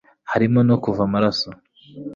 harimo no kuva amaraso